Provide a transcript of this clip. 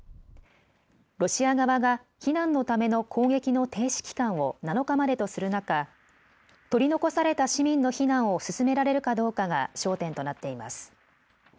ロシア側が避難のための攻撃の停止期間を７日までとする中、取り残された市民の避難を進められるかどうかが焦点となっています。